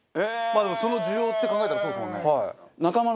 まあでもその需要って考えたらそうですもんね。